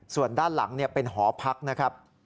ส่วนด้านหลังเป็นหอพักนะครับ